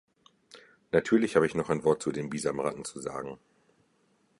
Natürlich habe ich noch ein Wort zu den Bisamratten zu sagen.